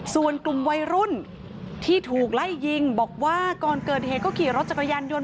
ส่วนกลุ่มวัยรุ่นที่ถูกไล่ยิงบอกว่าก่อนเกิดเหตุก็ขี่รถจักรยานยนต